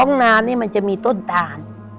้้องนานมันจะมีต้นตาน